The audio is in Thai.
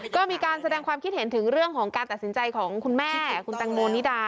ก็มีการแสดงความคิดเห็นถึงเรื่องของการตัดสินใจของคุณแม่คุณแตงโมนิดา